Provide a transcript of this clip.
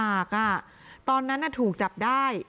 ลักษณ์มากกว่า